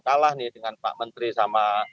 kalah nih dengan pak menteri sama